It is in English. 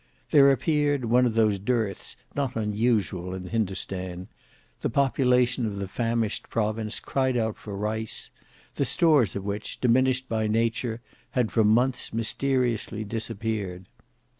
There appeared one of those dearths not unusual in Hindostan; the population of the famished province cried out for rice; the stores of which, diminished by nature, had for months mysteriously disappeared.